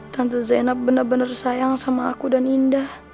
tante zainab benar benar sayang sama aku dan indah